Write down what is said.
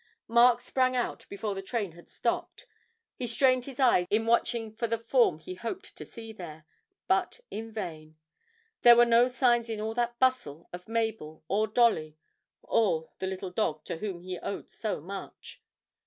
Mark sprang out before the train had stopped; he strained his eyes in watching for the form he hoped to see there, but in vain; there were no signs in all that bustle of Mabel or Dolly, or the little dog to whom he owed so much.